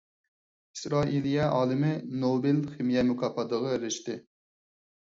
ئىسرائىلىيە ئالىمى نوبېل خىمىيە مۇكاپاتىغا ئېرىشتى.